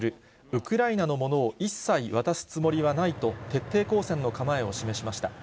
ウクライナのものを一切渡すつもりはないと、徹底抗戦の構えを示しました。